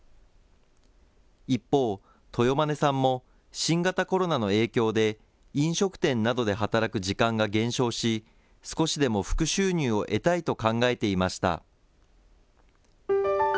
一方、豊間根さんも新型コロナの影響で、飲食店などで働く時間が減少し、少しでも副収入を得たいと考えていました。